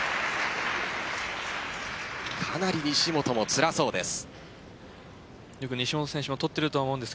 かなり西本もつらそうです。